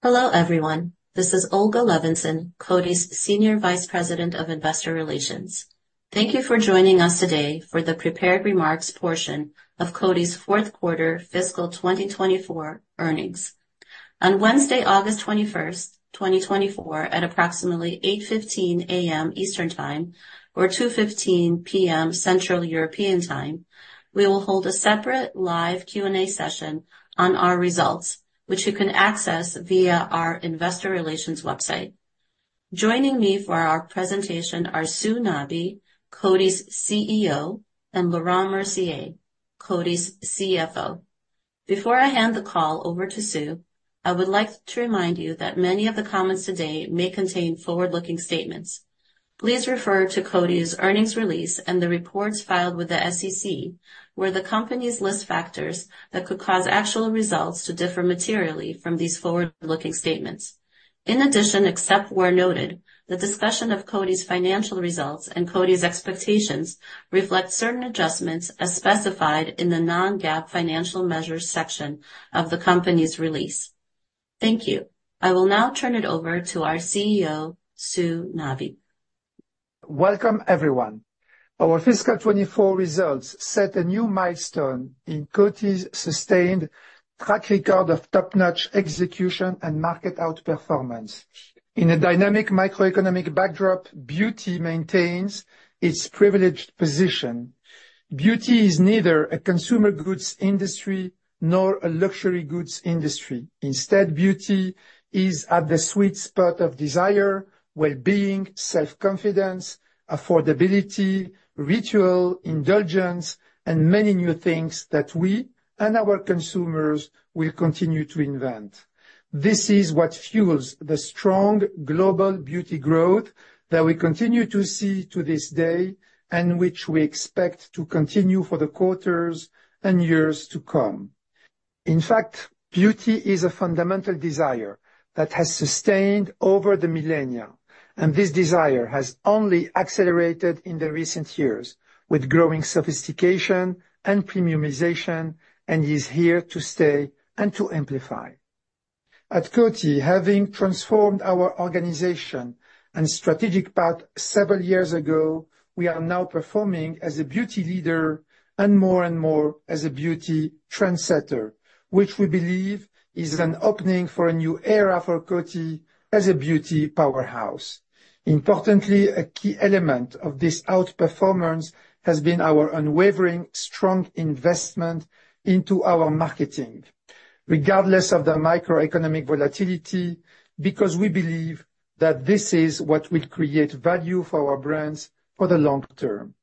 Hello, everyone. This is Olga Levinson, Coty's Senior Vice President of Investor Relations. Thank you for joining us today for the prepared remarks portion of Coty's fourth quarter fiscal twenty twenty-four earnings. On Wednesday, August twenty-first, twenty twenty-four, at approximately 8:15 A.M. Eastern Time or 2:15 P.M. Central European Time, we will hold a separate live Q&A session on our results, which you can access via our investor relations website. Joining me for our presentation are Sue Nabi, Coty's CEO, and Laurent Mercier, Coty's CFO. Before I hand the call over to Sue, I would like to remind you that many of the comments today may contain forward-looking statements. Please refer to Coty's earnings release and the reports filed with the SEC, where the companies list factors that could cause actual results to differ materially from these forward-looking statements. In addition, except where noted, the discussion of Coty's financial results and Coty's expectations reflect certain adjustments as specified in the non-GAAP financial measures section of the company's release. Thank you. I will now turn it over to our CEO, Sue Nabi. Welcome, everyone. Our fiscal 2024 results set a new milestone in Coty's sustained track record of top-notch execution and market outperformance. In a dynamic macroeconomic backdrop, beauty maintains its privileged position. Beauty is neither a consumer goods industry nor a luxury goods industry. Instead, beauty is at the sweet spot of desire, well-being, self-confidence, affordability, ritual, indulgence, and many new things that we and our consumers will continue to invent. This is what fuels the strong global beauty growth that we continue to see to this day and which we expect to continue for the quarters and years to come. In fact, beauty is a fundamental desire that has sustained over the millennia, and this desire has only accelerated in the recent years with growing sophistication and premiumization, and is here to stay and to amplify. At Coty, having transformed our organization and strategic path several years ago, we are now performing as a beauty leader and more and more as a beauty trendsetter, which we believe is an opening for a new era for Coty as a beauty powerhouse. Importantly, a key element of this outperformance has been our unwavering, strong investment into our marketing, regardless of the macroeconomic volatility, because we believe that this is what will create value for our brands for the long term.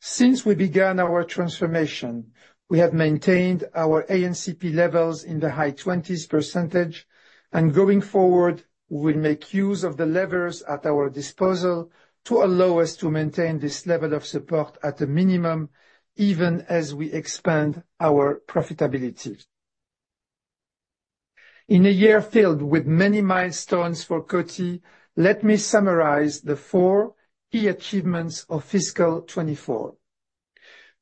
Since we began our transformation, we have maintained our ANCP levels in the high twenties %, and going forward, we'll make use of the levers at our disposal to allow us to maintain this level of support at a minimum, even as we expand our profitability. In a year filled with many milestones for Coty, let me summarize the four key achievements of fiscal 2024.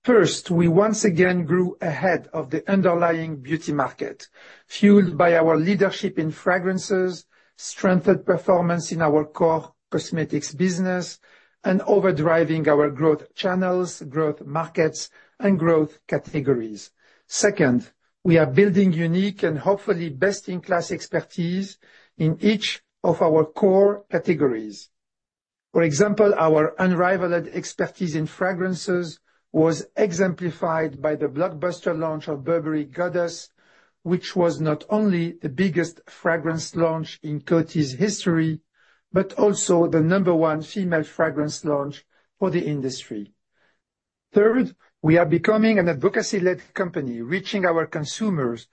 First, we once again grew ahead of the underlying beauty market, fueled by our leadership in fragrances, strengthened performance in our core cosmetics business, and overdriving our growth channels, growth markets, and growth categories. Second, we are building unique and hopefully best-in-class expertise in each of our core categories. For example, our unrivaled expertise in fragrances was exemplified by the blockbuster launch of Burberry Goddess, which was not only the biggest fragrance launch in Coty's history, but also the number one female fragrance launch for the industry. Third, we are becoming an advocacy-led company, reaching our consumers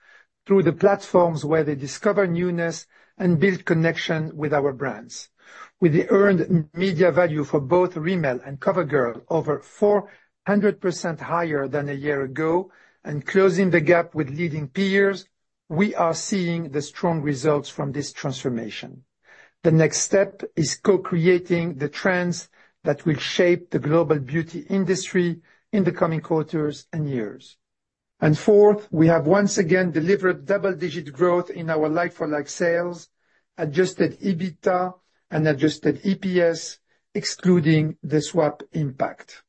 through the platforms where they discover newness and build connection with our brands. With the earned media value for both Rimmel and CoverGirl over 400% higher than a year ago and closing the gap with leading peers, we are seeing the strong results from this transformation. The next step is co-creating the trends that will shape the global beauty industry in the coming quarters and years. And fourth, we have once again delivered double-digit growth in our Like-for-Like sales, Adjusted EBITDA and Adjusted EPS, excluding the swap impact.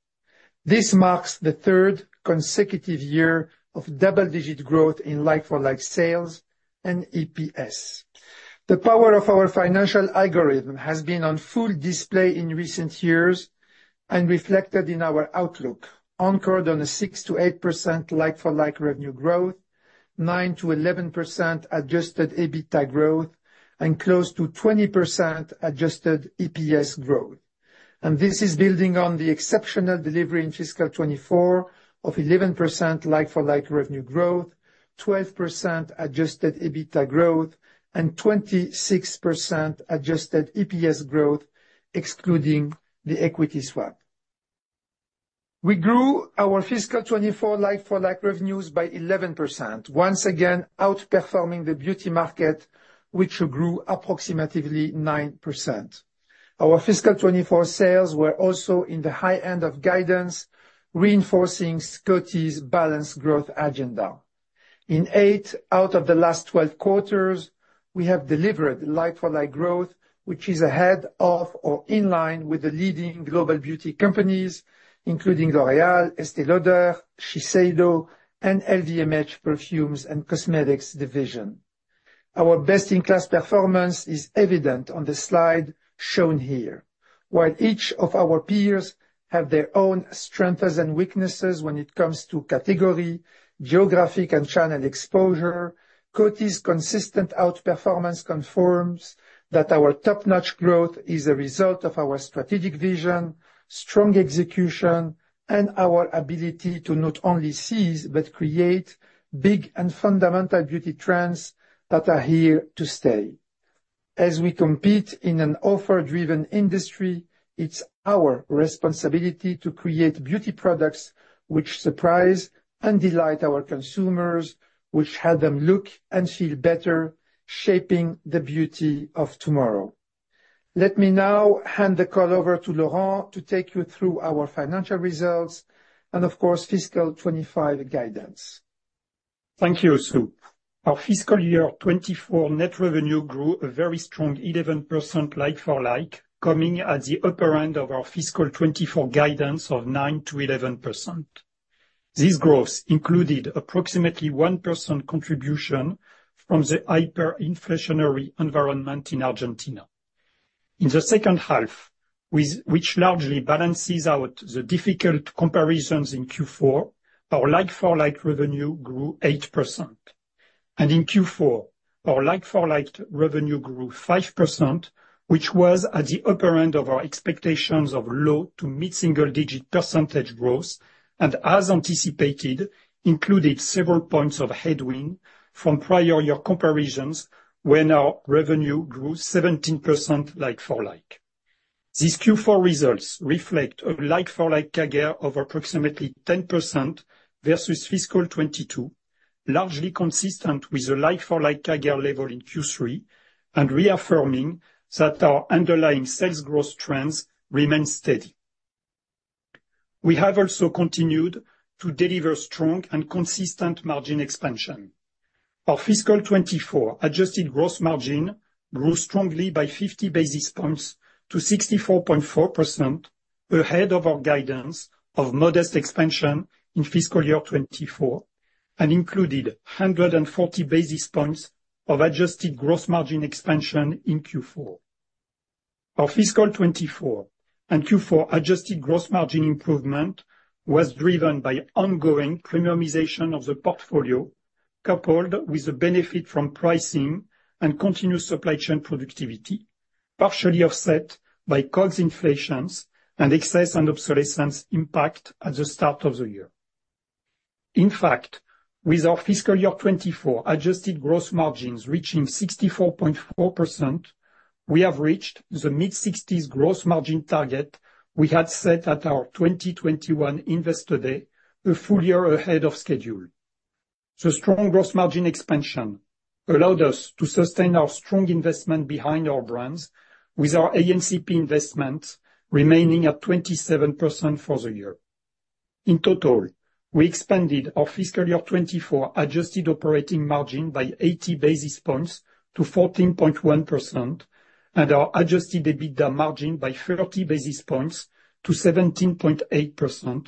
This marks the third consecutive year of double-digit growth in Like-for-Like sales and EPS. The power of our financial algorithm has been on full display in recent years and reflected in our outlook, anchored on a 6%-8% Like-for-Like revenue growth, 9%-11% Adjusted EBITDA growth, and close to 20% Adjusted EPS growth. And this is building on the exceptional delivery in fiscal 2024 of 11% Like-for-Like revenue growth, 12% Adjusted EBITDA growth, and 26% Adjusted EPS growth, excluding the equity swap. We grew our fiscal twenty-four like-for-like revenues by 11%, once again outperforming the beauty market, which grew approximately 9%. Our fiscal twenty-four sales were also in the high end of guidance, reinforcing Coty's balanced growth agenda. In 8 out of the last 12 quarters, we have delivered like-for-like growth, which is ahead of or in line with the leading global beauty companies, including L'Oréal, Estée Lauder, Shiseido, and LVMH Perfumes and Cosmetics Division. Our best-in-class performance is evident on the slide shown here. While each of our peers have their own strengths and weaknesses when it comes to category, geographic, and channel exposure, Coty's consistent outperformance confirms that our top-notch growth is a result of our strategic vision, strong execution, and our ability to not only seize, but create big and fundamental beauty trends that are here to stay. As we compete in an offer-driven industry, it's our responsibility to create beauty products which surprise and delight our consumers, which help them look and feel better, shaping the beauty of tomorrow. Let me now hand the call over to Laurent to take you through our financial results and, of course, fiscal 2025 guidance. Thank you, Sue. Our fiscal year 2024 net revenue grew a very strong 11% like-for-like, coming at the upper end of our fiscal 2024 guidance of 9%-11%. This growth included approximately 1% contribution from the hyperinflationary environment in Argentina. In the second half, which largely balances out the difficult comparisons in Q4, our like-for-like revenue grew 8%. And in Q4, our like-for-like revenue grew 5%, which was at the upper end of our expectations of low- to mid-single-digit % growth, and as anticipated, included several points of headwind from prior year comparisons, when our revenue grew 17% like-for-like. These Q4 results reflect a like-for-like CAGR of approximately 10% versus fiscal 2022, largely consistent with the like-for-like CAGR level in Q3, and reaffirming that our underlying sales growth trends remain steady. We have also continued to deliver strong and consistent margin expansion. Our fiscal 2024 adjusted gross margin grew strongly by 50 basis points to 64.4%, ahead of our guidance of modest expansion in fiscal year 2024, and included 140 basis points of adjusted gross margin expansion in Q4. Our fiscal 2024 and Q4 adjusted gross margin improvement was driven by ongoing premiumization of the portfolio, coupled with the benefit from pricing and continuous supply chain productivity, partially offset by cost inflations and excess and obsolescence impact at the start of the year. In fact, with our fiscal year 2024 adjusted gross margins reaching 64.4%, we have reached the mid-sixties gross margin target we had set at our 2021 Investor Day, a full year ahead of schedule. The strong gross margin expansion allowed us to sustain our strong investment behind our brands, with our ANCP investment remaining at 27% for the year. In total, we expanded our fiscal year 2024 adjusted operating margin by 80 basis points to 14.1%, and our adjusted EBITDA margin by 30 basis points to 17.8%,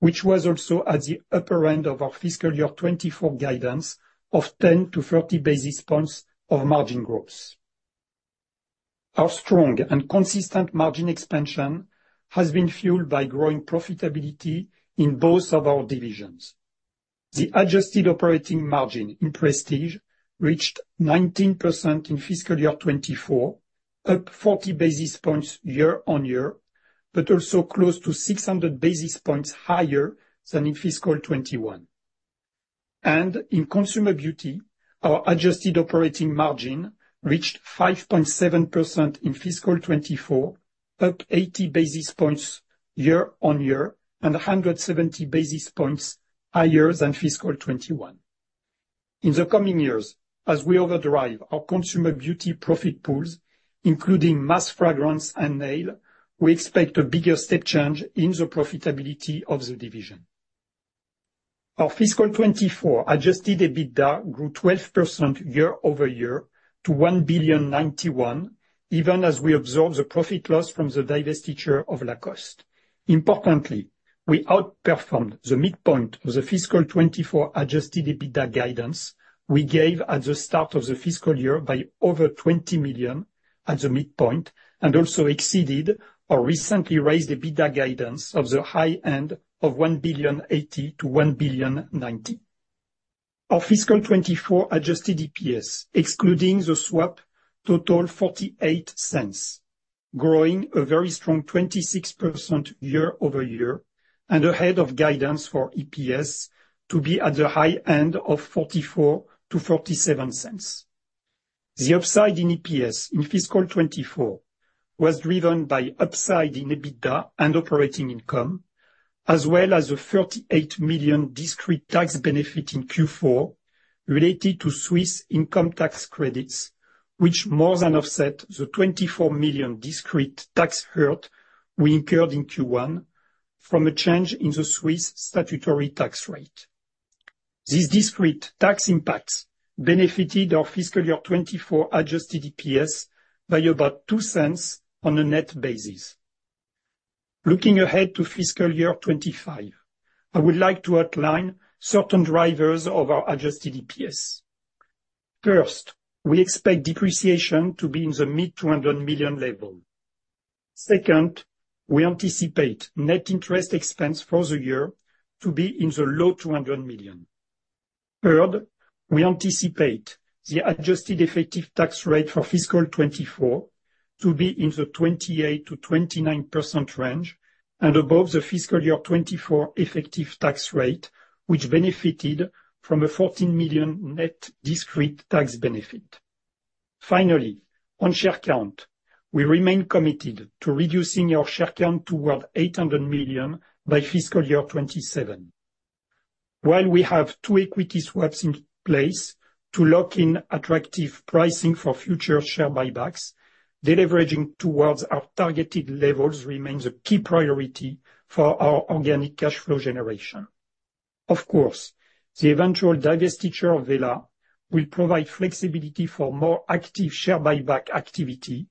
which was also at the upper end of our fiscal year 2024 guidance of 10-30 basis points of margin growth. Our strong and consistent margin expansion has been fueled by growing profitability in both of our divisions. The adjusted operating margin in Prestige reached 19% in fiscal year 2024, up 40 basis points year on year, but also close to 600 basis points higher than in fiscal 2021. And in Consumer Beauty, our adjusted operating margin reached 5.7% in fiscal 2024, up 80 basis points year on year, and 170 basis points higher than fiscal 2021. In the coming years, as we overdrive our Consumer Beauty profit pools, including mass fragrance and nail, we expect a bigger step change in the profitability of the division. Our fiscal 2024 adjusted EBITDA grew 12% year over year to $1.091 billion, even as we absorb the profit loss from the divestiture of Lacoste. Importantly, we outperformed the midpoint of the fiscal 2024 adjusted EBITDA guidance we gave at the start of the fiscal year by over $20 million at the midpoint, and also exceeded our recently raised EBITDA guidance of the high end of $1.08 billion to $1.09 billion. Our fiscal 2024 adjusted EPS, excluding the swap, total $0.48, growing a very strong 26% year over year and ahead of guidance for EPS to be at the high end of $0.44-$0.47. The upside in EPS in fiscal 2024 was driven by upside in EBITDA and operating income, as well as a $38 million discrete tax benefit in Q4 related to Swiss income tax credits, which more than offset the $24 million discrete tax hurt we incurred in Q1 from a change in the Swiss statutory tax rate. These discrete tax impacts benefited our fiscal year 2024 adjusted EPS by about $0.02 on a net basis. Looking ahead to fiscal year 2025, I would like to outline certain drivers of our adjusted EPS. First, we expect depreciation to be in the mid-$200 million level. Second, we anticipate net interest expense for the year to be in the low $200 million. Third, we anticipate the adjusted effective tax rate for fiscal 2024 to be in the 28%-29% range and above the fiscal year 2024 effective tax rate, which benefited from a $14 million net discrete tax benefit. Finally, on share count, we remain committed to reducing our share count towards 800 million by fiscal year 2027. While we have two equity swaps in place to lock in attractive pricing for future share buybacks, deleveraging towards our targeted levels remains a key priority for our organic cash flow generation. Of course, the eventual divestiture of Wella will provide flexibility for more active share buyback activity,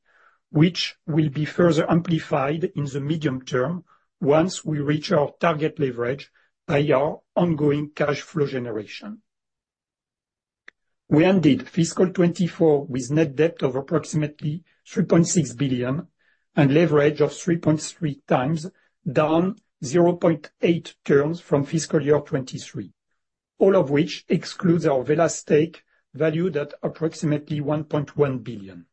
which will be further amplified in the medium term once we reach our target leverage by our ongoing cash flow generation. We ended fiscal 2024 with net debt of approximately $3.6 billion and leverage of 3.3 times, down 0.8 turns from fiscal year 2023, all of which excludes our Wella stake, valued at approximately $1.1 billion.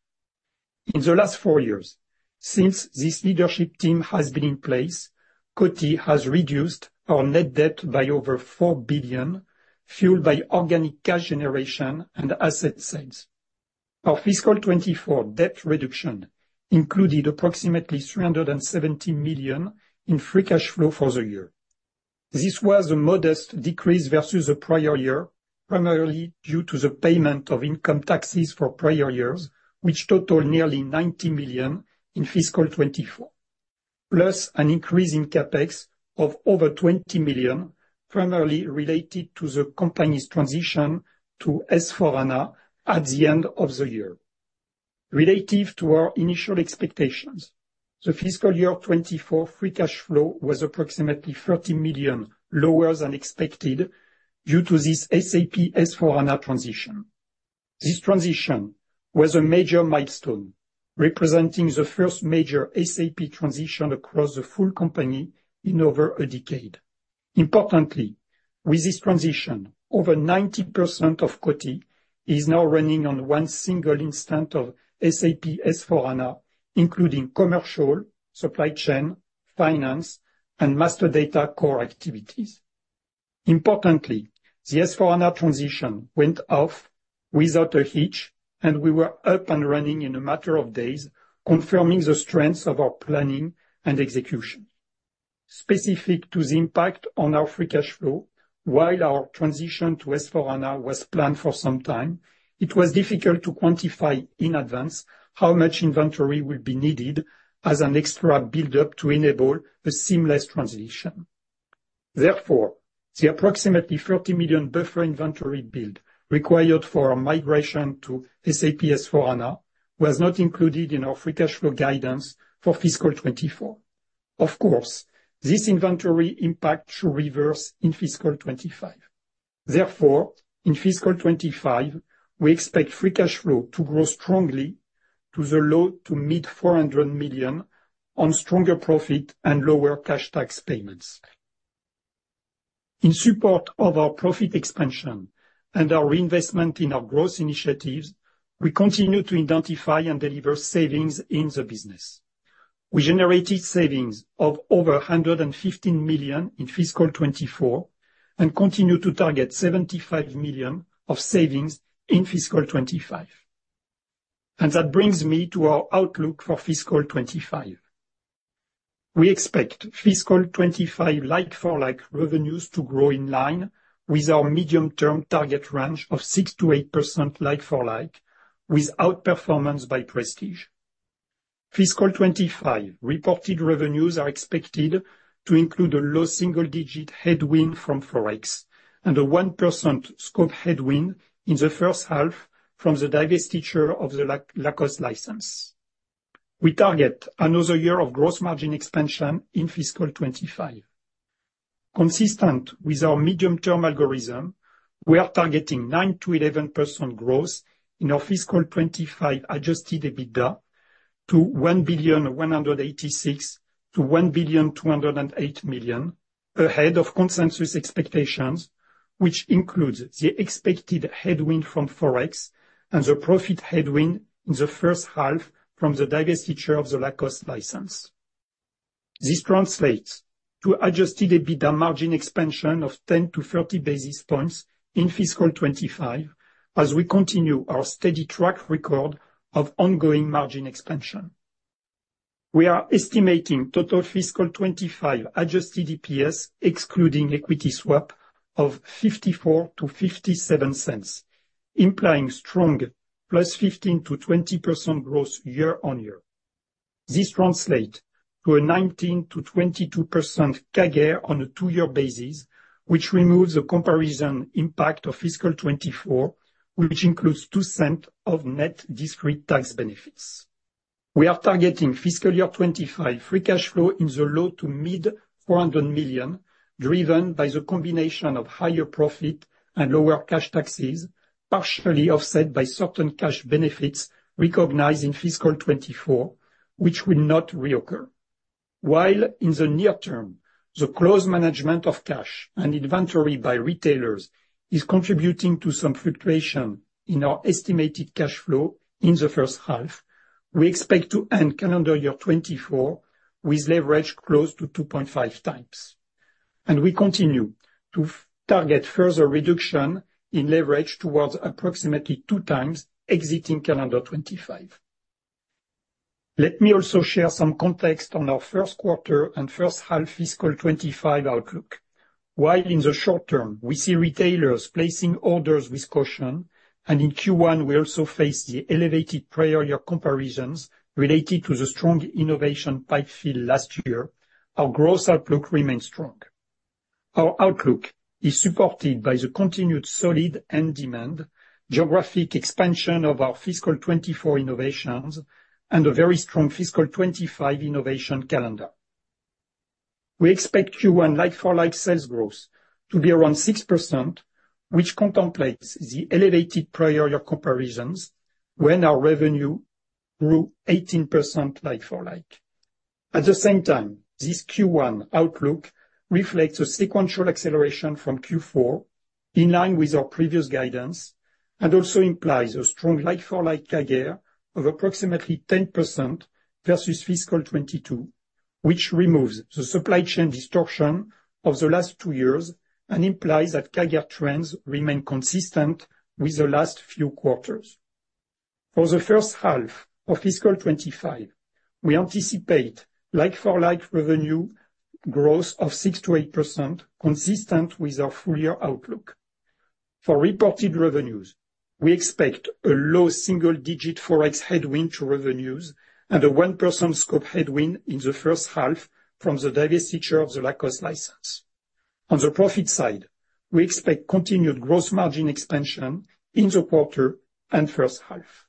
In the last four years, since this leadership team has been in place, Coty has reduced our net debt by over $4 billion, fueled by organic cash generation and asset sales. Our fiscal 2024 debt reduction included approximately $370 million in free cash flow for the year. This was a modest decrease versus the prior year, primarily due to the payment of income taxes for prior years, which totaled nearly $90 million in fiscal 2024, plus an increase in CapEx of over $20 million, primarily related to the company's transition to S/4HANA at the end of the year. Relative to our initial expectations, the fiscal year 2024 free cash flow was approximately $30 million lower than expected due to this SAP S/4HANA transition. This transition was a major milestone, representing the first major SAP transition across the full company in over a decade. Importantly, with this transition, over 90% of Coty is now running on one single instance of SAP S/4HANA, including commercial, supply chain, finance, and master data core activities. Importantly, the S/4HANA transition went off without a hitch, and we were up and running in a matter of days, confirming the strengths of our planning and execution. Specific to the impact on our free cash flow, while our transition to S/4HANA was planned for some time, it was difficult to quantify in advance how much inventory would be needed as an extra buildup to enable a seamless transition. Therefore, the approximately $30 million buffer inventory build required for our migration to SAP S/4HANA was not included in our free cash flow guidance for fiscal 2024. Of course, this inventory impact should reverse in fiscal 2025. Therefore, in fiscal 2025, we expect free cash flow to grow strongly to the low to mid-$400 million on stronger profit and lower cash tax payments. In support of our profit expansion and our reinvestment in our growth initiatives, we continue to identify and deliver savings in the business. We generated savings of over $115 million in fiscal 2024 and continue to target $75 million of savings in fiscal 2025. That brings me to our outlook for fiscal 2025. We expect fiscal 2025 like-for-like revenues to grow in line with our medium-term target range of 6%-8% like-for-like, with outperformance by Prestige. Fiscal twenty-five reported revenues are expected to include a low single-digit headwind from Forex and a 1% scope headwind in the first half from the divestiture of the Lacoste license. We target another year of gross margin expansion in fiscal twenty-five. Consistent with our medium-term algorithm, we are targeting 9%-11% growth in our fiscal twenty-five Adjusted EBITDA to $1.186-$1.208 billion, ahead of consensus expectations, which includes the expected headwind from Forex and the profit headwind in the first half from the divestiture of the Lacoste license. This translates to Adjusted EBITDA margin expansion of 10-30 basis points in fiscal twenty-five, as we continue our steady track record of ongoing margin expansion. We are estimating total fiscal twenty-five Adjusted EPS, excluding equity swap, of $0.54-$0.57, implying strong-... plus 15%-20% growth year-on-year. This translates to a 19%-22% CAGR on a two-year basis, which removes the comparison impact of fiscal 2024, which includes $0.02 of net discrete tax benefits. We are targeting fiscal year 2025 free cash flow in the low to mid-$400 million, driven by the combination of higher profit and lower cash taxes, partially offset by certain cash benefits recognized in fiscal 2024, which will not reoccur. While in the near term, the close management of cash and inventory by retailers is contributing to some fluctuation in our estimated cash flow in the first half, we expect to end calendar year 2024 with leverage close to 2.5 times, and we continue to target further reduction in leverage towards approximately 2 times exiting calendar 2025. Let me also share some context on our first quarter and first half fiscal twenty-five outlook. While in the short term, we see retailers placing orders with caution, and in Q1, we also face the elevated prior year comparisons related to the strong innovation pipe fill last year, our growth outlook remains strong. Our outlook is supported by the continued solid end demand, geographic expansion of our fiscal twenty-four innovations, and a very strong fiscal twenty-five innovation calendar. We expect Q1 like-for-like sales growth to be around 6%, which contemplates the elevated prior year comparisons when our revenue grew 18% like-for-like. At the same time, this Q1 outlook reflects a sequential acceleration from Q4, in line with our previous guidance, and also implies a strong like-for-like CAGR of approximately 10% versus fiscal 2022, which removes the supply chain distortion of the last two years and implies that CAGR trends remain consistent with the last few quarters. For the first half of fiscal 2025, we anticipate like-for-like revenue growth of 6%-8%, consistent with our full year outlook. For reported revenues, we expect a low single-digit Forex headwind to revenues and a one percent scope headwind in the first half from the divestiture of the Lacoste license. On the profit side, we expect continued gross margin expansion in the quarter and first half.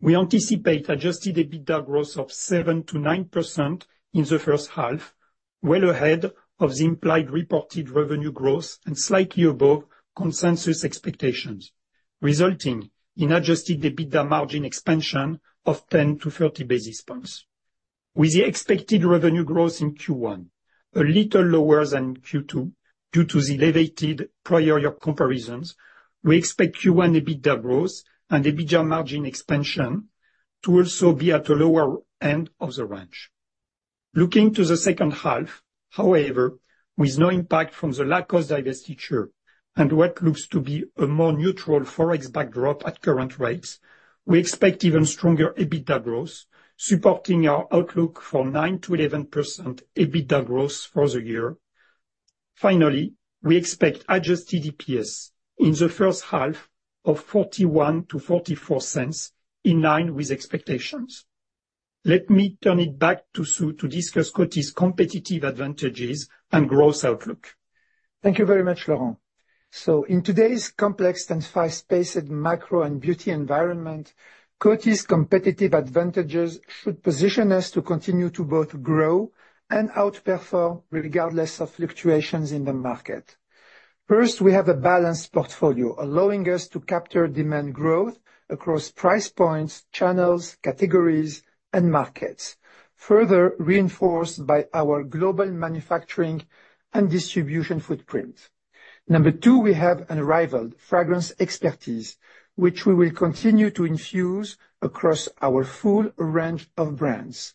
We anticipate adjusted EBITDA growth of 7%-9% in the first half, well ahead of the implied reported revenue growth and slightly above consensus expectations, resulting in adjusted EBITDA margin expansion of 10 to 30 basis points. With the expected revenue growth in Q1, a little lower than Q2 due to the elevated prior year comparisons, we expect Q1 EBITDA growth and EBITDA margin expansion to also be at the lower end of the range. Looking to the second half, however, with no impact from the Lacoste divestiture and what looks to be a more neutral Forex backdrop at current rates, we expect even stronger EBITDA growth, supporting our outlook for 9%-11% EBITDA growth for the year. Finally, we expect adjusted EPS in the first half of $0.41-$0.44, in line with expectations. Let me turn it back to Sue to discuss Coty's competitive advantages and growth outlook. Thank you very much, Laurent. So in today's complex and fast-paced macro and beauty environment, Coty's competitive advantages should position us to continue to both grow and outperform, regardless of fluctuations in the market. First, we have a balanced portfolio, allowing us to capture demand growth across price points, channels, categories, and markets, further reinforced by our global manufacturing and distribution footprint. Number two, we have an unrivaled fragrance expertise, which we will continue to infuse across our full range of brands.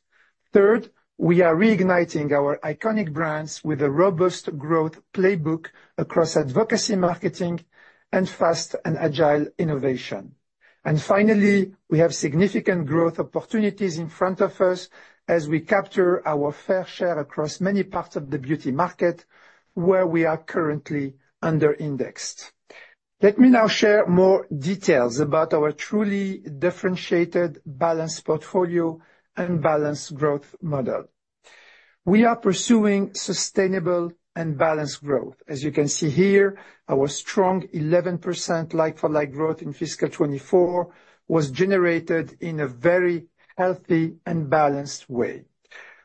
Third, we are reigniting our iconic brands with a robust growth playbook across advocacy, marketing, and fast and agile innovation. And finally, we have significant growth opportunities in front of us as we capture our fair share across many parts of the beauty market where we are currently under-indexed. Let me now share more details about our truly differentiated, balanced portfolio and balanced growth model. We are pursuing sustainable and balanced growth. As you can see here, our strong 11% like-for-like growth in fiscal 2024 was generated in a very healthy and balanced way.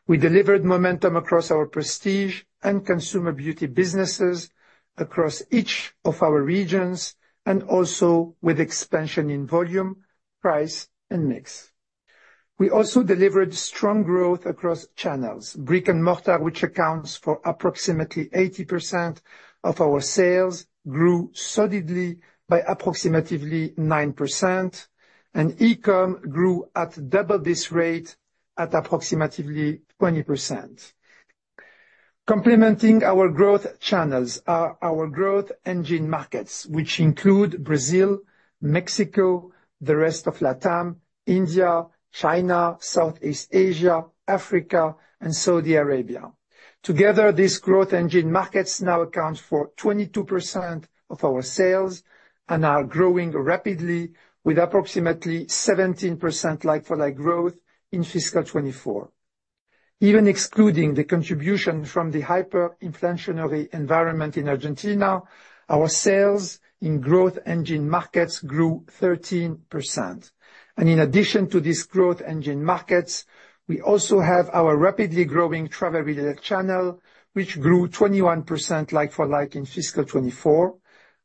We delivered momentum across our Prestige and Consumer Beauty businesses, across each of our regions, and also with expansion in volume, price, and mix. We also delivered strong growth across channels. Brick-and-mortar, which accounts for approximately 80% of our sales, grew solidly by approximately 9%, and e-com grew at double this rate at approximately 20%.... Complementing our growth channels are our Growth Engine Markets, which include Brazil, Mexico, the rest of Latin, India, China, Southeast Asia, Africa, and Saudi Arabia. Together, these Growth Engine Markets now account for 22% of our sales and are growing rapidly with approximately 17% like-for-like growth in fiscal 2024. Even excluding the contribution from the hyperinflationary environment in Argentina, our sales in Growth Engine Markets grew 13%. In addition to these Growth Engine Markets, we also have our rapidly growing travel-related channel, which grew 21% like-for-like in fiscal 2024.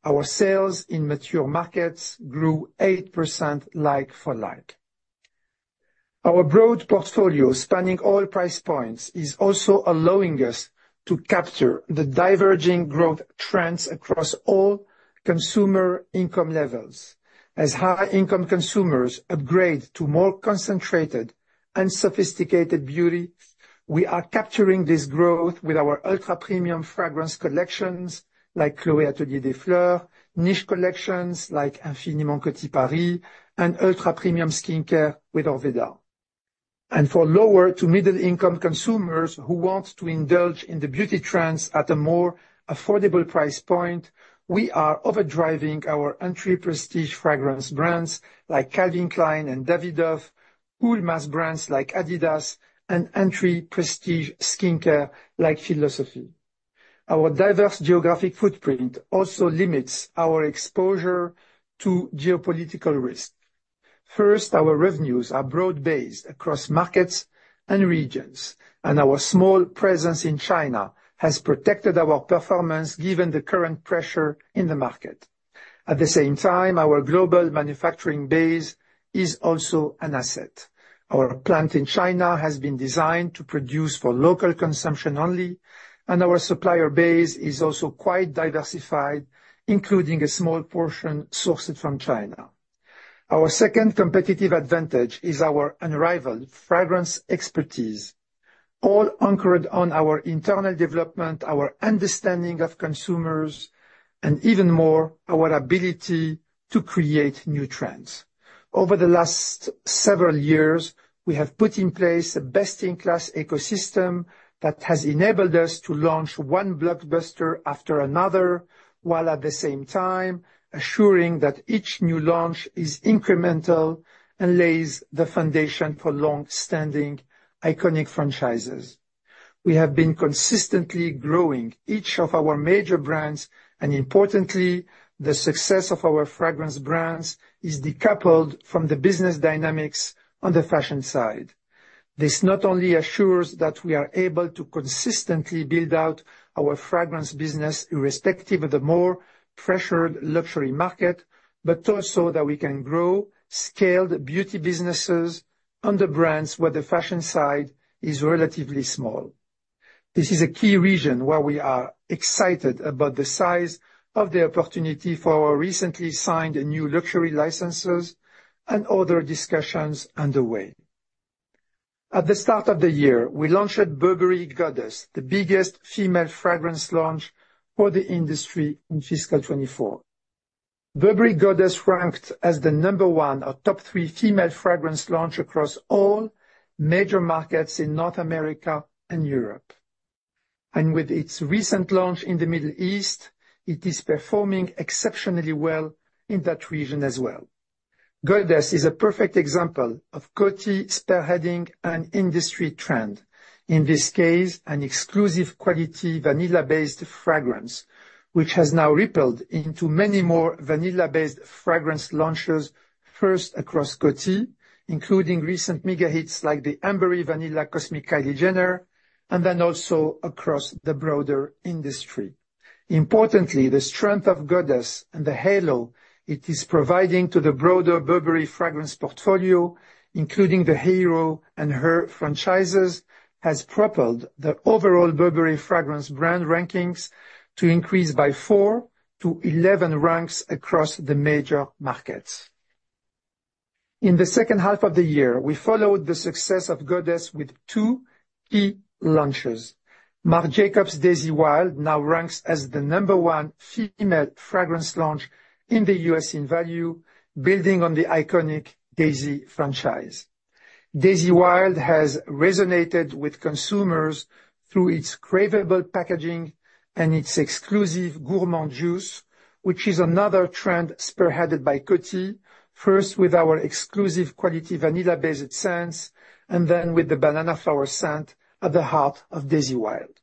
Our sales in mature markets grew 8% like-for-like. Our broad portfolio, spanning all price points, is also allowing us to capture the diverging growth trends across all consumer income levels. As high-income consumers upgrade to more concentrated and sophisticated beauty, we are capturing this growth with our ultra-premium fragrance collections like Chloé Atelier des Fleurs, niche collections like Infiniment Coty Paris, and ultra-premium skincare with Orveda. And for lower to middle-income consumers who want to indulge in the beauty trends at a more affordable price point, we are overdriving our entry prestige fragrance brands like Calvin Klein and Davidoff, cool mass brands like Adidas, and entry prestige skincare like Philosophy. Our diverse geographic footprint also limits our exposure to geopolitical risk. First, our revenues are broad-based across markets and regions, and our small presence in China has protected our performance, given the current pressure in the market. At the same time, our global manufacturing base is also an asset. Our plant in China has been designed to produce for local consumption only, and our supplier base is also quite diversified, including a small portion sourced from China. Our second competitive advantage is our unrivaled fragrance expertise, all anchored on our internal development, our understanding of consumers, and even more, our ability to create new trends. Over the last several years, we have put in place a best-in-class ecosystem that has enabled us to launch one blockbuster after another, while at the same time assuring that each new launch is incremental and lays the foundation for long-standing iconic franchises. We have been consistently growing each of our major brands, and importantly, the success of our fragrance brands is decoupled from the business dynamics on the fashion side. This not only assures that we are able to consistently build out our fragrance business, irrespective of the more pressured luxury market, but also that we can grow scaled beauty businesses on the brands where the fashion side is relatively small. This is a key region where we are excited about the size of the opportunity for our recently signed new luxury licenses and other discussions underway. At the start of the year, we launched Burberry Goddess, the biggest female fragrance launch for the industry in fiscal 2024. Burberry Goddess ranked as the number one or top three female fragrance launch across all major markets in North America and Europe, and with its recent launch in the Middle East, it is performing exceptionally well in that region as well. Goddess is a perfect example of Coty spearheading an industry trend, in this case, an exclusive quality, vanilla-based fragrance, which has now rippled into many more vanilla-based fragrance launches, first across Coty, including recent mega hits like the Amber Vanilla Cosmic Kylie Jenner, and then also across the broader industry. Importantly, the strength of Goddess and the halo it is providing to the broader Burberry fragrance portfolio, including the Hero and Her franchises, has propelled the overall Burberry fragrance brand rankings to increase by four to 11 ranks across the major markets. In the second half of the year, we followed the success of Goddess with two key launches. Marc Jacobs Daisy Wild now ranks as the number one female fragrance launch in the U.S. in value, building on the iconic Daisy franchise. Daisy Wild has resonated with consumers through its craveable packaging and its exclusive gourmand juice, which is another trend spearheaded by Coty, first with our exclusive quality, vanilla-based scents, and then with the banana flower scent at the heart of Daisy Wild.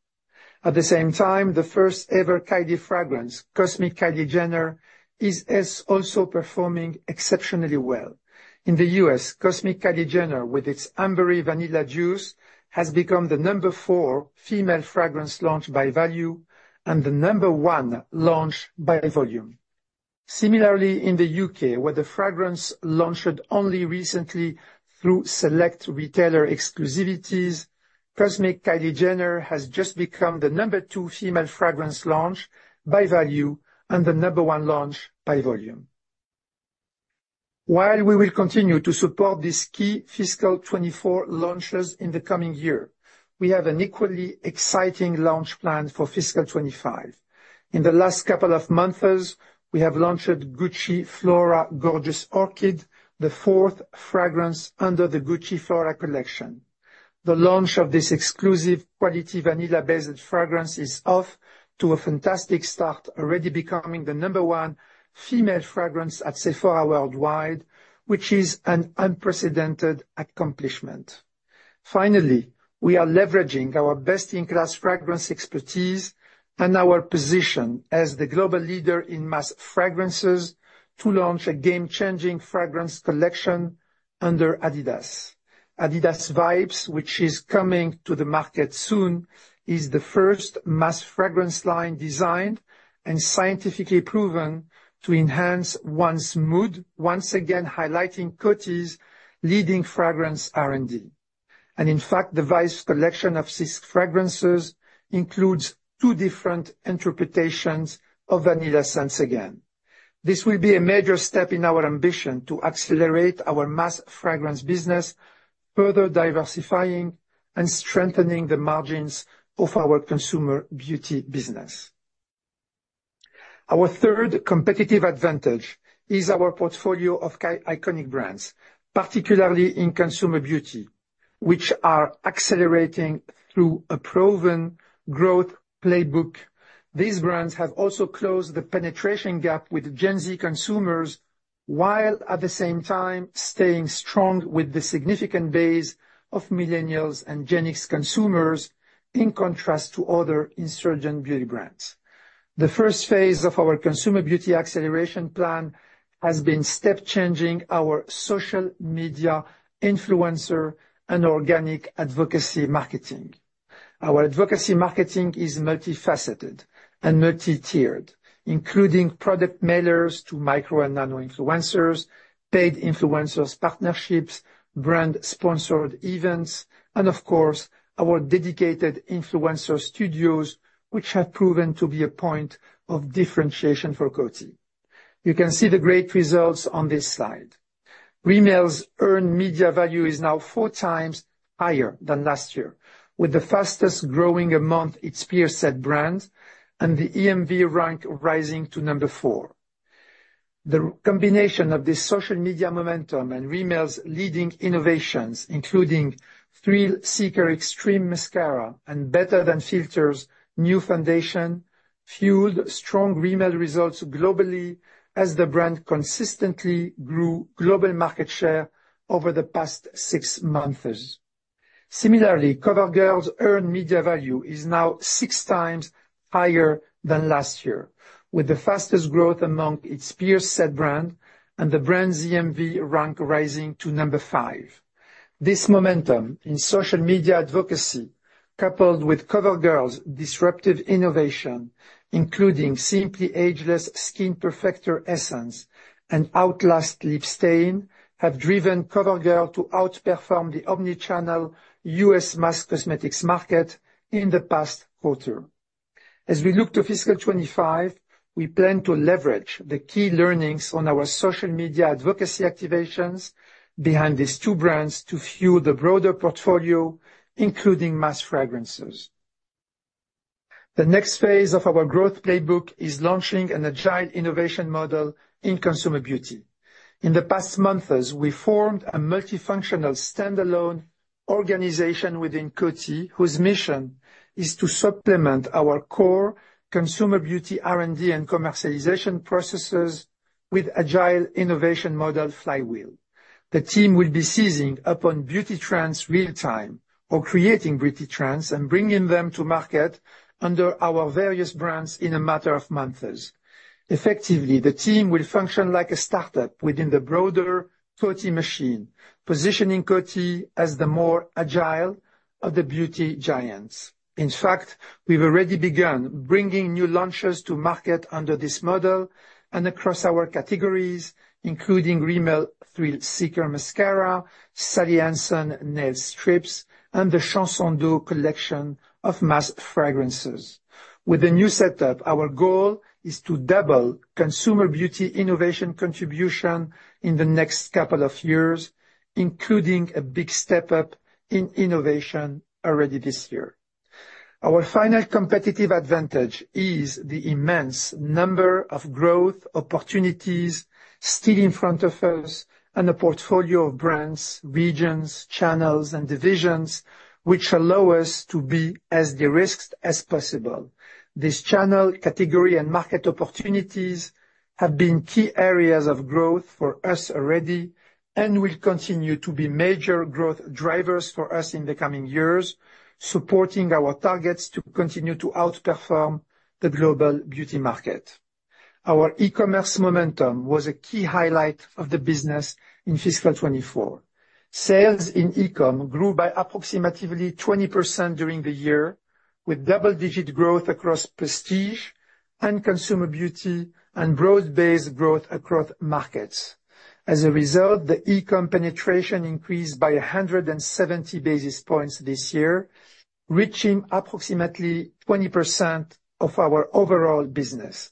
At the same time, the first ever Kylie fragrance, Cosmic Kylie Jenner, is also performing exceptionally well. In the U.S., Cosmic Kylie Jenner, with its amber vanilla juice, has become the number four female fragrance launch by value and the number one launch by volume. Similarly, in the U.K., where the fragrance launched only recently through select retailer exclusives, Cosmic Kylie Jenner has just become the number two female fragrance launch by value and the number one launch by volume. While we will continue to support these key fiscal 2024 launches in the coming year, we have an equally exciting launch plan for fiscal 2025. In the last couple of months, we have launched Gucci Flora Gorgeous Orchid, the fourth fragrance under the Gucci Flora collection. The launch of this exclusive quality vanilla-based fragrance is off to a fantastic start, already becoming the number one female fragrance at Sephora worldwide, which is an unprecedented accomplishment. Finally, we are leveraging our best-in-class fragrance expertise and our position as the global leader in mass fragrances to launch a game-changing fragrance collection under Adidas. Adidas Vibes, which is coming to the market soon, is the first mass fragrance line designed and scientifically proven to enhance one's mood, once again highlighting Coty's leading fragrance R&D. And in fact, the Vibes collection of six fragrances includes two different interpretations of vanilla scents again. This will be a major step in our ambition to accelerate our mass fragrance business, further diversifying and strengthening the margins of our Consumer Beauty business. Our third competitive advantage is our portfolio of iconic brands, particularly in Consumer Beauty, which are accelerating through a proven growth playbook. These brands have also closed the penetration gap with Gen Z consumers, while at the same time, staying strong with the significant base of millennials and Gen X consumers, in contrast to other insurgent beauty brands. The first phase of our Consumer Beauty acceleration plan has been step changing our social media influencer and organic advocacy marketing. Our advocacy marketing is multifaceted and multi-tiered, including product mailers to micro and nano influencers, paid influencers partnerships, brand-sponsored events, and of course, our dedicated influencer studios, which have proven to be a point of differentiation for Coty. You can see the great results on this slide. Rimmel's earned media value is now four times higher than last year, with the fastest-growing among its peer set brand and the EMV rank rising to number four. The combination of this social media momentum and Rimmel's leading innovations, including Thrill Seeker Extreme Mascara and Better Than Filters new foundation, fueled strong Rimmel results globally as the brand consistently grew global market share over the past six months. Similarly, CoverGirl's earned media value is now six times higher than last year, with the fastest growth among its peer set brand and the brand's EMV rank rising to number five. This momentum in social media advocacy, coupled with CoverGirl's disruptive innovation, including Simply Ageless Skin Perfector Essence and Outlast Lip Stain, have driven CoverGirl to outperform the omni-channel U.S. mass cosmetics market in the past quarter. As we look to fiscal 2025, we plan to leverage the key learnings on our social media advocacy activations behind these two brands to fuel the broader portfolio, including mass fragrances. The next phase of our growth playbook is launching an agile innovation model in Consumer Beauty. In the past months, we formed a multifunctional standalone organization within Coty, whose mission is to supplement our core Consumer Beauty, R&D, and commercialization processes with agile innovation model flywheel. The team will be seizing upon beauty trends real time or creating beauty trends and bringing them to market under our various brands in a matter of months. Effectively, the team will function like a startup within the broader Coty machine, positioning Coty as the more agile of the beauty giants. In fact, we've already begun bringing new launches to market under this model and across our categories, including Rimmel Thrill Seeker Extreme Mascara, Sally Hansen Nail Strips, and the Chanson d'Eau collection of mass fragrances. With the new setup, our goal is to double Consumer Beauty innovation contribution in the next couple of years, including a big step up in innovation already this year. Our final competitive advantage is the immense number of growth opportunities still in front of us, and a portfolio of brands, regions, channels, and divisions, which allow us to be as de-risked as possible. These channel, category, and market opportunities have been key areas of growth for us already and will continue to be major growth drivers for us in the coming years, supporting our targets to continue to outperform the global beauty market. Our e-commerce momentum was a key highlight of the business in fiscal 2024. Sales in e-com grew by approximately 20% during the year, with double-digit growth across Prestige and Consumer Beauty, and broad-based growth across markets. As a result, the e-com penetration increased by 170 basis points this year, reaching approximately 20% of our overall business.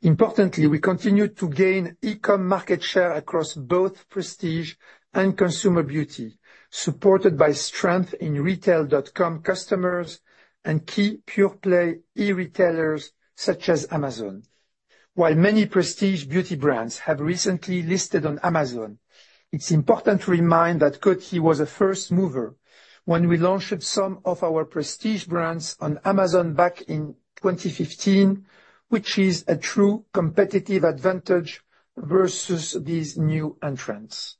Importantly, we continued to gain e-com market share across both prestige and Consumer Beauty, supported by strength in retail.com customers and key pure play e-retailers such as Amazon. While many prestige beauty brands have recently listed on Amazon, it's important to remind that Coty was a first mover when we launched some of our prestige brands on Amazon back in 2015, which is a true competitive advantage versus these new entrants.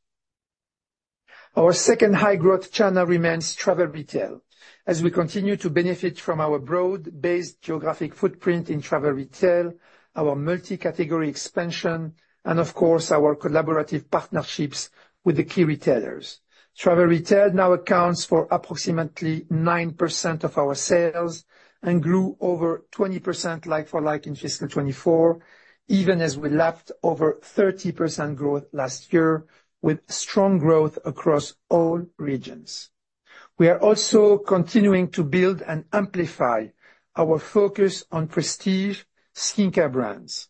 Our second high growth channel remains travel retail, as we continue to benefit from our broad-based geographic footprint in travel retail, our multi-category expansion, and of course, our collaborative partnerships with the key retailers. Travel retail now accounts for approximately 9% of our sales and grew over 20% like for like in fiscal 2024, even as we left over 30% growth last year, with strong growth across all regions. We are also continuing to build and amplify our focus on prestige skincare brands,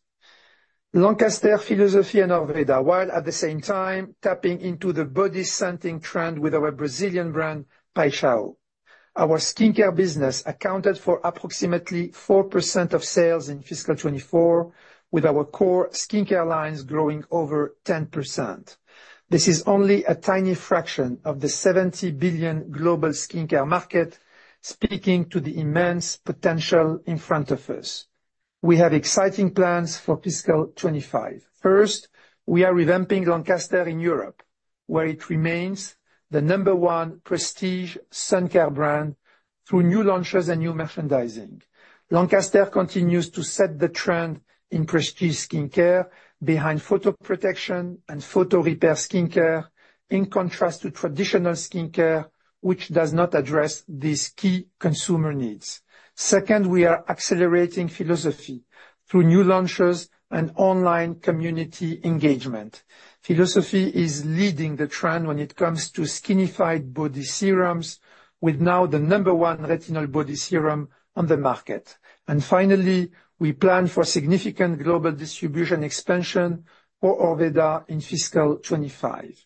Lancaster, Philosophy, and Orveda, while at the same time tapping into the body scenting trend with our Brazilian brand, Paixão. Our skincare business accounted for approximately 4% of sales in fiscal 2024, with our core skincare lines growing over 10%. This is only a tiny fraction of the $70 billion global skincare market, speaking to the immense potential in front of us. We have exciting plans for fiscal 2025. First, we are revamping Lancaster in Europe, where it remains the number one prestige sun care brand through new launches and new merchandising. Lancaster continues to set the trend in prestige skincare behind photoprotection and photo repair skincare, in contrast to traditional skincare, which does not address these key consumer needs. Second, we are accelerating Philosophy through new launches and online community engagement. Philosophy is leading the trend when it comes to skinified body serums, with now the number one retinal body serum on the market. And finally, we plan for significant global distribution expansion for Orveda in fiscal 2025.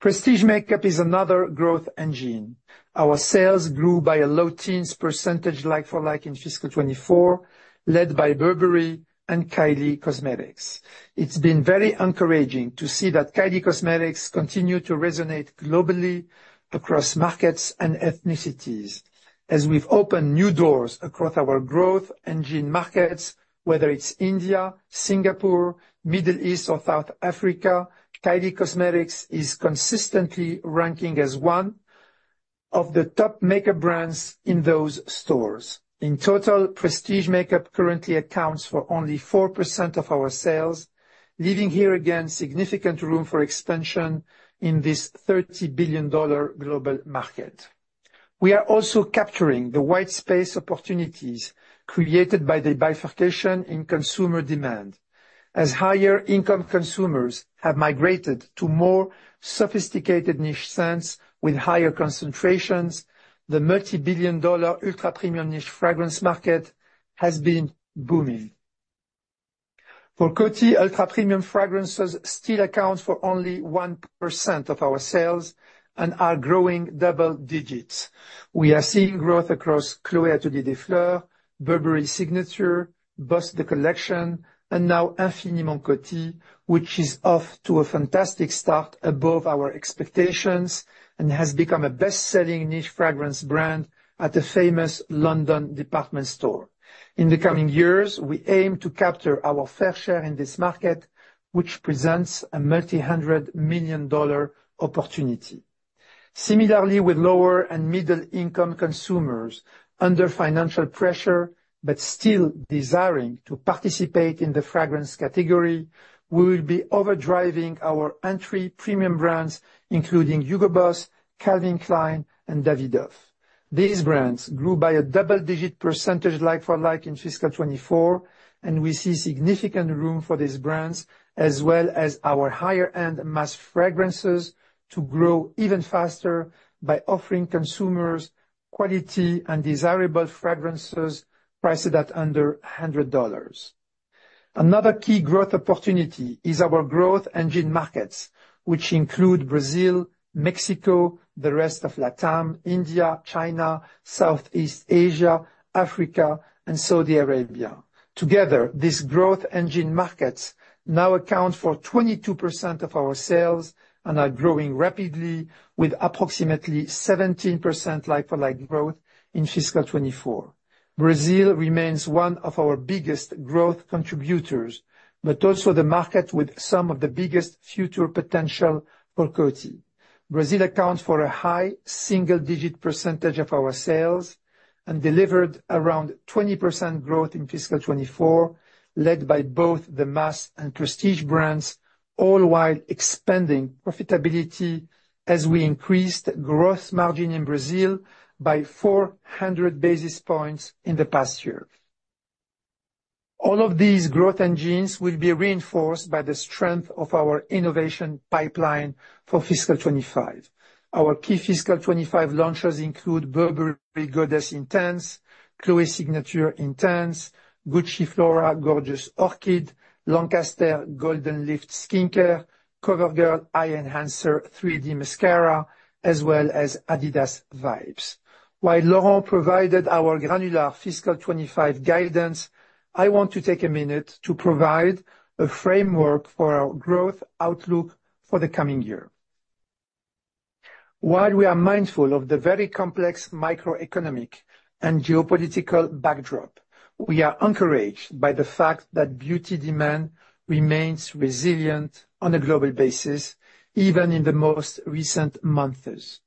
Prestige makeup is another growth engine. Our sales grew by a low-teens % Like-for-Like in fiscal 2024, led by Burberry and Kylie Cosmetics. It's been very encouraging to see that Kylie Cosmetics continue to resonate globally across markets and ethnicities. As we've opened new doors across our Growth Engine Markets, whether it's India, Singapore, Middle East or South Africa, Kylie Cosmetics is consistently ranking as one of the top makeup brands in those stores. In total, Prestige makeup currently accounts for only 4% of our sales, leaving here again, significant room for expansion in this $30 billion global market. We are also capturing the white space opportunities created by the bifurcation in consumer demand. As higher income consumers have migrated to more sophisticated niche scents with higher concentrations, the multibillion-dollar ultra-premium niche fragrance market has been booming. For Coty, ultra-premium fragrances still account for only 1% of our sales and are growing double digits. We are seeing growth across Chloé Atelier des Fleurs, Burberry Signatures, Boss The Collection, and now Infiniment Coty Paris, which is off to a fantastic start above our expectations, and has become a best-selling niche fragrance brand at a famous London department store. In the coming years, we aim to capture our fair share in this market, which presents a multi-hundred million dollar opportunity. Similarly, with lower and middle income consumers under financial pressure, but still desiring to participate in the fragrance category, we will be overdriving our entry premium brands, including Hugo Boss, Calvin Klein, and Davidoff. These brands grew by a double-digit percentage, like for like in fiscal 2024, and we see significant room for these brands, as well as our higher end mass fragrances, to grow even faster by offering consumers quality and desirable fragrances priced at under $100. Another key growth opportunity is our Growth Engine Markets, which include Brazil, Mexico, the rest of Latin, India, China, Southeast Asia, Africa, and Saudi Arabia. Together, these Growth Engine Markets now account for 22% of our sales and are growing rapidly with approximately 17% like-for-like growth in fiscal twenty-four. Brazil remains one of our biggest growth contributors, but also the market with some of the biggest future potential for Coty. Brazil accounts for a high single-digit percentage of our sales and delivered around 20% growth in fiscal twenty-four, led by both the mass and prestige brands, all while expanding profitability as we increased gross margin in Brazil by four hundred basis points in the past year. All of these growth engines will be reinforced by the strength of our innovation pipeline for fiscal twenty-five. Our key fiscal twenty-five launches include Burberry Goddess Intense, Chloé Signature Intense, Gucci Flora Gorgeous Orchid, Lancaster Golden Lift skincare, CoverGirl Eye Enhancer 3D Mascara, as well as Adidas Vibes. While Laurent provided our granular fiscal twenty-five guidance, I want to take a minute to provide a framework for our growth outlook for the coming year. While we are mindful of the very complex microeconomic and geopolitical backdrop, we are encouraged by the fact that beauty demand remains resilient on a global basis, even in the most recent months.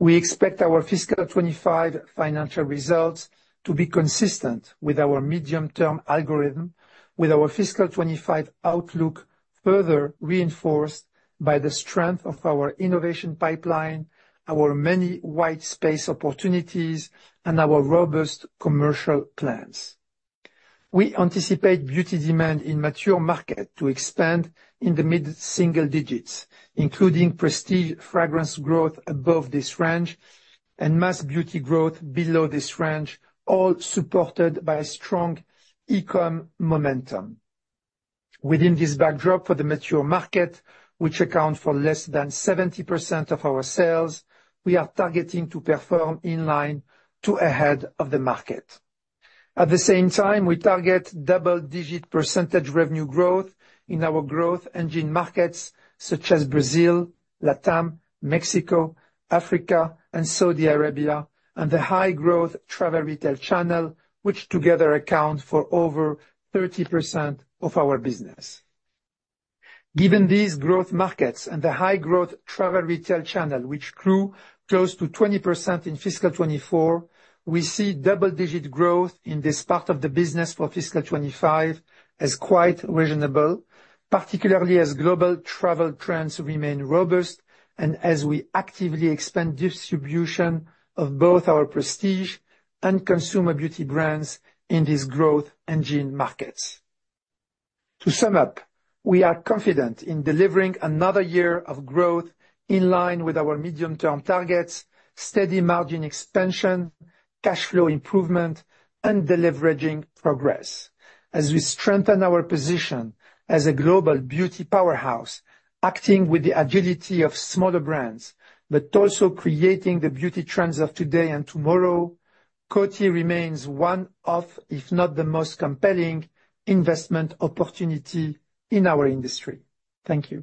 We expect our fiscal twenty-five financial results to be consistent with our medium-term algorithm, with our fiscal twenty-five outlook further reinforced by the strength of our innovation pipeline, our many white space opportunities, and our robust commercial plans. We anticipate beauty demand in mature market to expand in the mid-single digits, including prestige fragrance growth above this range and mass beauty growth below this range, all supported by strong e-com momentum. Within this backdrop for the mature market, which accounts for less than 70% of our sales, we are targeting to perform in line to ahead of the market. At the same time, we target double-digit % revenue growth in our Growth Engine Markets, such as Brazil, Latin, Mexico, Africa, and Saudi Arabia, and the high-growth travel retail channel, which together account for over 30% of our business. Given these growth markets and the high-growth travel retail channel, which grew close to 20% in fiscal 2024, we see double-digit growth in this part of the business for fiscal 2025 as quite reasonable, particularly as global travel trends remain robust and as we actively expand distribution of both our Prestige and Consumer Beauty brands in these Growth Engine Markets. To sum up, we are confident in delivering another year of growth in line with our medium-term targets, steady margin expansion, cash flow improvement, and deleveraging progress. As we strengthen our position as a global beauty powerhouse, acting with the agility of smaller brands, but also creating the beauty trends of today and tomorrow, Coty remains one of, if not the most compelling, investment opportunity in our industry. Thank you.